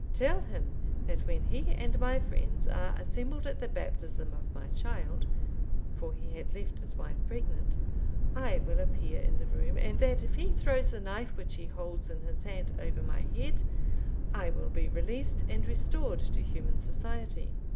Tell him, that when he and my friends are assembled at the baptism of my child (for he had left his wife pregnant), I will appear in the room, and that if he throws the knife which he holds in his hand over my head, I will be released and restored to human society.'